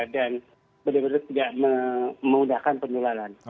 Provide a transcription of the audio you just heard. dan benar benar tidak memudahkan penularan